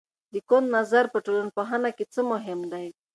د کنت نظر په ټولنپوهنه کې څه مهم دی؟